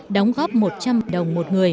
đóng góp một trăm linh đồng một người